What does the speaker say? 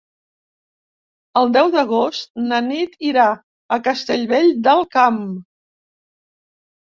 El deu d'agost na Nit irà a Castellvell del Camp.